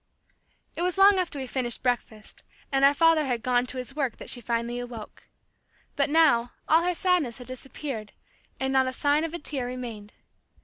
It was long after we finished breakfast, and our father had gone to his work, that she finally awoke. But now, all her sadness had disappeared, and not a sign of a tear remained.